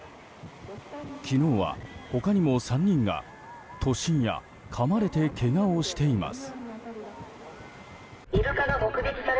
昨日は他にも３人が突進やかまれてけがをしています。